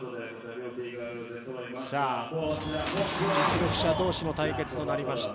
実力者同士の対決となりました。